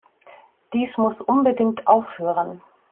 Dies muss unbedingt aufhören.